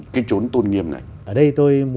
cái chốn tôn nghiêm này